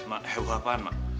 mak heboh apaan mak